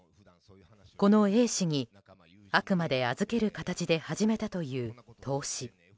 このＡ氏に、あくまで預ける形で始めたという投資。